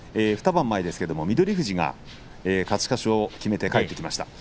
２番前、翠富士が勝ち越しを決めて帰ってきました。